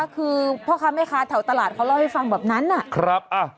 คือพ่อค้าแม่ค้าแถวตลาดเขาเล่าให้ฟังแบบนั้นนะครับ